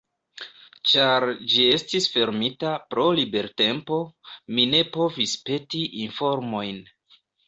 Ĉar ĝi estis fermita pro libertempo, mi ne povis peti informojn.